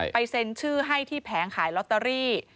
เซ็นชื่อให้ที่แผงขายลอตเตอรี่